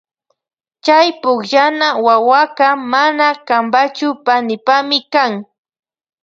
Chay pukllana wawaka mana kanpachu panipami kan.